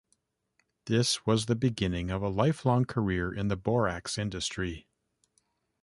This was the beginning of a lifelong career in the borax industry.